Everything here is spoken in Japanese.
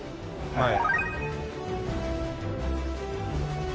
はい。